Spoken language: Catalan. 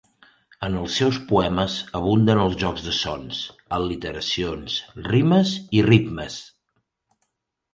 En els seus poemes abunden els jocs de sons, al·literacions, rimes i ritmes.